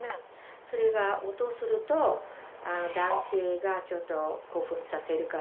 それが音がすると男子がちょっと興奮させるから。